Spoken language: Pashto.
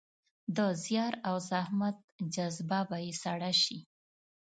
د زیار او زحمت جذبه به يې سړه شي.